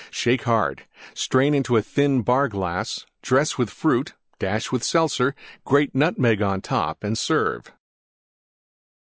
Shake hard; strain into thin Bar glass; dress with Fruit; dash with Seltzer; grate Nutmeg on top and serve.